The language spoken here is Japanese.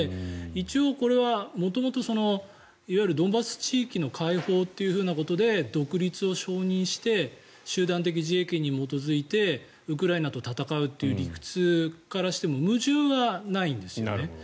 一応これは元々いわゆるドンバス地域の解放ということで独立を承認して集団的自衛権に基づいてウクライナと戦うという理屈からしても矛盾はないんです。